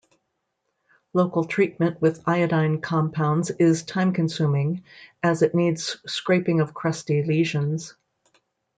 Local treatment with iodine compounds is time-consuming, as it needs scraping of crusty lesions.